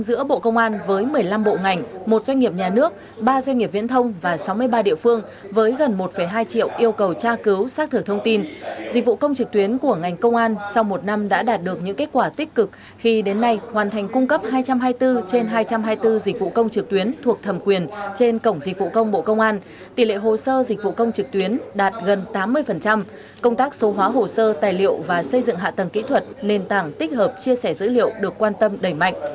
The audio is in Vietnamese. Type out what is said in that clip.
ba doanh nghiệp viễn thông và sáu mươi ba địa phương với gần một hai triệu yêu cầu tra cứu xác thử thông tin dịch vụ công trực tuyến của ngành công an sau một năm đã đạt được những kết quả tích cực khi đến nay hoàn thành cung cấp hai trăm hai mươi bốn trên hai trăm hai mươi bốn dịch vụ công trực tuyến thuộc thầm quyền trên cổng dịch vụ công bộ công an tỷ lệ hồ sơ dịch vụ công trực tuyến đạt gần tám mươi công tác số hóa hồ sơ tài liệu và xây dựng hạ tầng kỹ thuật nền tảng tích hợp chia sẻ dữ liệu được quan tâm đẩy mạnh